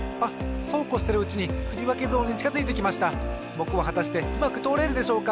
ぼくははたしてうまくとおれるでしょうか。